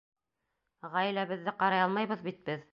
Ғаиләбеҙҙе ҡарай алмайбыҙ бит беҙ.